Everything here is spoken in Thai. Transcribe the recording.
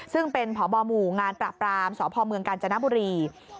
ซึ่งเป็นพบหมู่งานปราบรามสพเมืองกาญจนบุรี